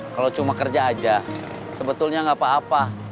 kalau cuma kerja aja sebetulnya nggak apa apa